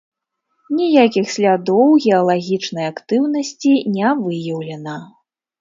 Ніякіх слядоў геалагічнай актыўнасці не выяўлена.